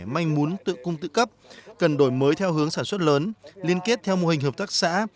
manh mún tự cung tự cấp cần đổi mới theo hướng sản xuất lớn liên kết theo mô hình hợp tác xã